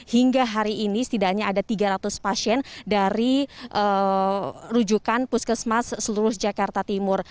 hingga hari ini setidaknya ada tiga ratus pasien dari rujukan puskesmas seluruh jakarta timur